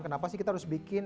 kenapa sih kita harus bikin